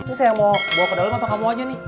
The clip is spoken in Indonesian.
ini saya mau bawa ke dalam apa kamu aja nih